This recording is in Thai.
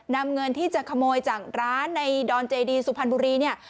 นำเงินที่จะขโมยจากร้านในดอนเจดีสุพรรณบุรีเนี่ย